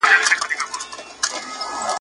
شمع یم جلوه یمه لمبه یمه سوځېږمه !.